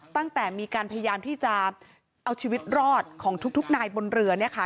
ตั้งแต่มีการพยายามที่จะเอาชีวิตรอดของทุกนายบนเรือเนี่ยค่ะ